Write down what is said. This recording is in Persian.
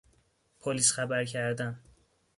پلیس خبر کردن